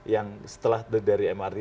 yang setelah dari mrt